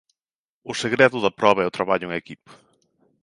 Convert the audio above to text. O segredo da proba é o traballo en equipo.